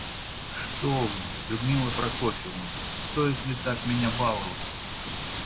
Что Вы, Людмила Прокофьевна, стоит ли так меня баловать?